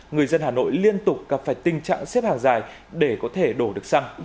người dân hà nội liên tục gặp phải tình trạng xếp hàng dài để có thể đổ được xăng